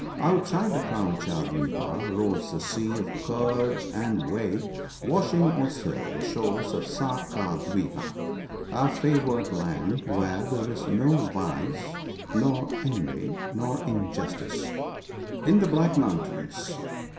Outside Krauncha dwipa rolls the sea of curds and whey, washing also the shores of Saka dwipa> a favoured land, where there is no vice, nor envy, nor injustice. In the black mountains.